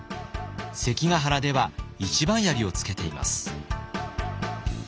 関ヶ原では一番槍をつけています。